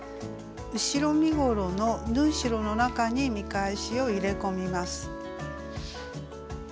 後ろ身ごろの縫い代の中に見返しを入れ込みます。